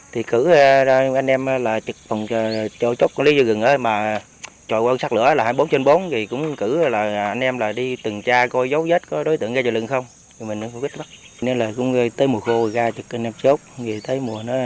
trong mùa kế này